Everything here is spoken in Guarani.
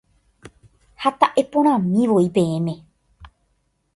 Ha ta'eporãmivoi peẽme.